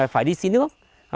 phải đi xí nước